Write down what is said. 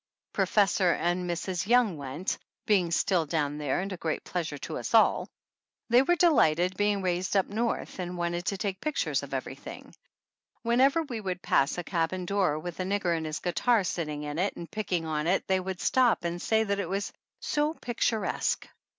Professor and Mrs. Young went, being still down there and a great pleasure to us all. They were delighted, being raised up North, and wanted to take pictures of every thing. Whenever we would pass a cabin door with a nigger and his guitar sitting in it and 95 THE ANNALS OF ANN picking on it they would stop and say that it was so "picturesque."